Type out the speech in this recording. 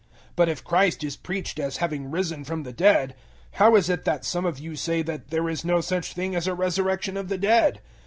015:012 But if Christ is preached as having risen from the dead, how is it that some of you say that there is no such thing as a resurrection of the dead?